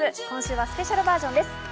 今週はスペシャルバージョンです。